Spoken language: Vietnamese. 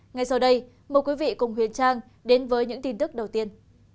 ngay sau đây mời quý vị cùng huyền trang đến với những tin tức đầu tiên